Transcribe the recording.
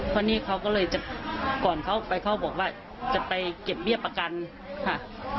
เพราะนี่เขาก็เลยจะก่อนเขาไปเขาบอกว่าจะไปเก็บเบี้ยประกันค่ะ